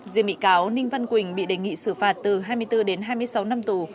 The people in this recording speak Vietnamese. riêng bị cáo ninh văn quỳnh bị đề nghị xử phạt từ hai mươi bốn đến hai mươi sáu năm tù